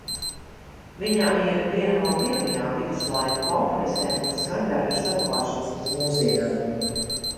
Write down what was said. Viņa ir viena no pirmajām viduslaiku komponistēm, kuras skaņdarbi ir saglabājušies līdz mūsdienām.